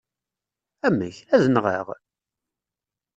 Amek! Ad nɣeɣ?